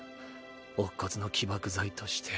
乙骨の起爆剤として。